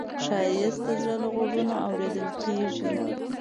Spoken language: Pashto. ښایست د زړه له غوږونو اورېدل کېږي